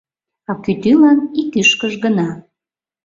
А кӱтӱлан ик ӱшкыж гына.